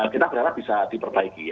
kita berharap bisa diperbaiki